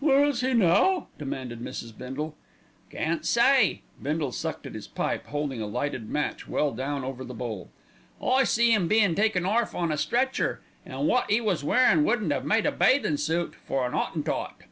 "Where is he now?" demanded Mrs. Bindle. "Can't say!" Bindle sucked at his pipe, holding a lighted match well down over the bowl. "I see 'im bein' taken orf on a stretcher, an' wot 'e was wearin' wouldn't 'ave made a bathin' suit for an 'Ottentot."